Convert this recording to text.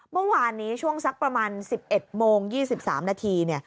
เมื่อวานนี้ช่วงสักประมาณ๑๑โมง๒๓นาที